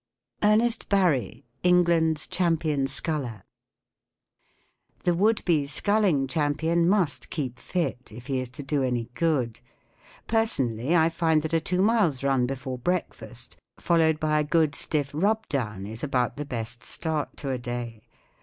_ ERNEST BARRY. England Champion Sculler. The would be scull¬ ing champion must keep fit if he is to do a ny good. Personal 1 y, I find that a two mi lea run before breakfast, followed by a good* stiff rub down, ip about the best start to a day.